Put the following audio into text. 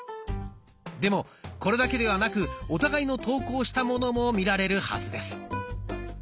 でもこれだけではなくお互いの投稿したものも見られるはずです。